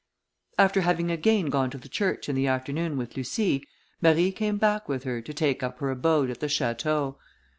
After having again gone to church in the afternoon with Lucie, Marie came back with her, to take up her abode at the château.